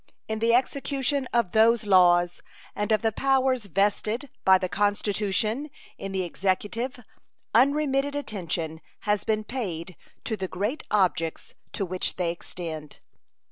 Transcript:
In the execution of those laws and of the powers vested by the Constitution in the Executive, unremitted attention has been paid to the great objects to which they extend.